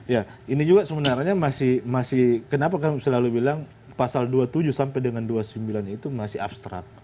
ya ini juga sebenarnya masih kenapa kami selalu bilang pasal dua puluh tujuh sampai dengan dua puluh sembilan itu masih abstrak